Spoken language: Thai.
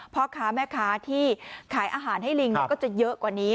พ่อค้าแม่ค้าที่ขายอาหารให้ลิงก็จะเยอะกว่านี้